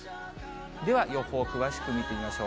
では、予報、詳しく見てみましょう。